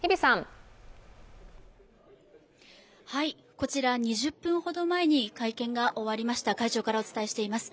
こちら２０分ほど前に会見が終わりました会場からお伝えしています。